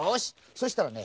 そしたらね